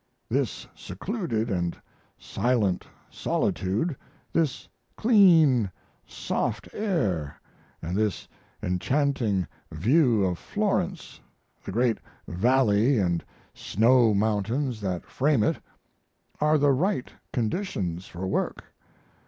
This secluded & silent solitude, this clean, soft air, & this enchanting view of Florence, the great valley & snow mountains that frame it, are the right conditions for work.